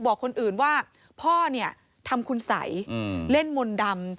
บอกคนอื่นว่าพ่อเนี่ยทำคุณสัยเล่นมนต์ดำ